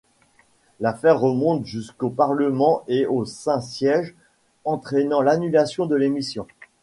L'affaire remonte jusqu'au Parlement et au Saint-Siège, entraînant l'annulation de l'émission.